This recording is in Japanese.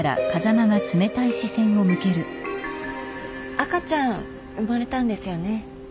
赤ちゃん生まれたんですよね。